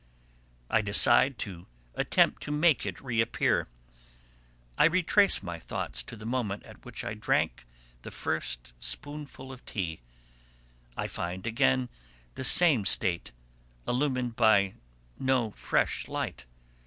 I decide to attempt to make it reappear. I retrace my thoughts to the moment at which I drank the first spoonful of tea. I find again the same state, illumined by no fresh light.